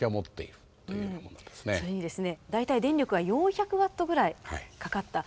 それにですね大体電力は４００ワットぐらいかかった。